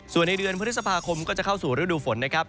ส่วนในเดือนพฤษภาคมก็จะเข้าสู่ฤดูฝนนะครับ